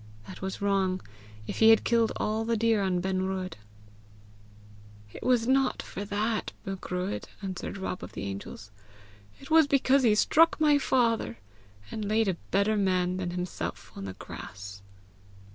That was wrong, if he had killed all the deer in Benruadh." "It was not for that, Macruadh," answered Rob of the Angels. "It was because he struck my father, and laid a better man than himself on the grass."